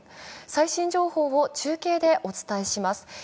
最新情報を中継でお伝えします。